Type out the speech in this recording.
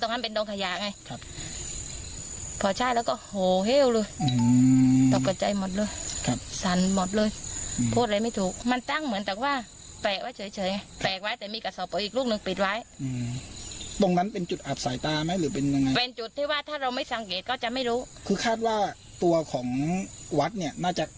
มอเตอร์ไฟแล้วก็หายไปน่าจะแบบนั้น